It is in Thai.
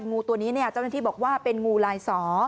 งูตัวนี้เจ้าหน้าที่บอกว่าเป็นงูลายสอ